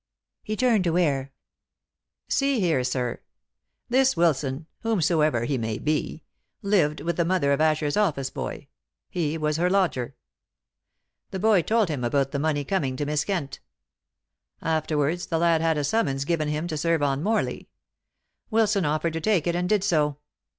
He turned to Ware. "See here, sir. This Wilson, whomsoever he may be, lived with the mother of Asher's office boy he was her lodger. The boy told him about the money coming to Miss Kent. Afterwards the lad had a summons given him to serve on Morley. Wilson offered to take it, and did so.